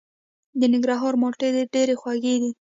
د ننګرهار مالټې ډیرې خوږې دي.